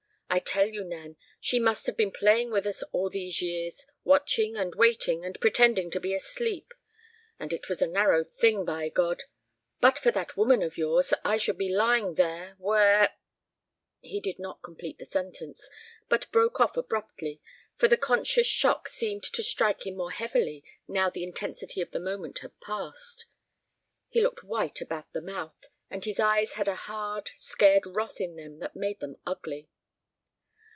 I tell you, Nan, she must have been playing with us all these years, watching and waiting, and pretending to be asleep. And it was a narrow thing, by God! But for that woman of yours, I should be lying there, where—" He did not complete the sentence, but broke off abruptly, for the conscious shock seemed to strike him more heavily now the intensity of the moment had passed. He looked white about the mouth, and his eyes had a hard, scared wrath in them that made them ugly.